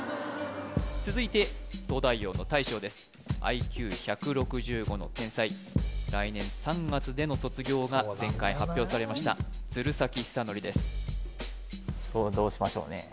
続いて東大王の大将ですＩＱ１６５の天才来年３月での卒業が前回発表されました鶴崎修功ですどうしましょうね